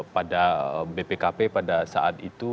pada bpkp pada saat itu